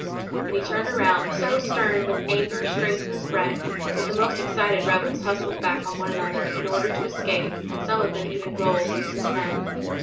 And he turned around, so stern with anger, strength and threat, that the most excited rebels hustled back on one another, in order to escape, and some of them even rolled into the Seine.